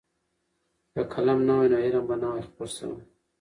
که قلم نه وای نو علم به نه وای خپور شوی.